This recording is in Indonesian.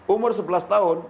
umur sebelas tahun